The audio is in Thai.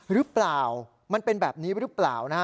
หรือเปล่ามันเป็นแบบนี้หรือเปล่านะฮะ